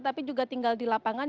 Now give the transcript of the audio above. tapi juga tinggal di lapangan